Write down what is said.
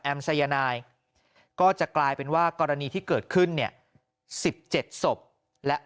สายนายก็จะกลายเป็นว่ากรณีที่เกิดขึ้นเนี่ย๑๗ศพและ